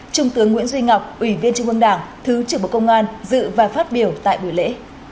trung tướng nguyễn duy ngọc ủy viên trung ương đảng thứ trưởng bộ công an dự và phát biểu tại buổi lễ